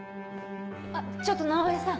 あっちょっと直江さん。